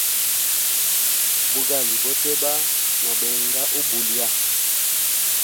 Bugali boteba, no benga ubulya.